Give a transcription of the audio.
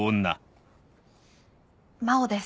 真央です。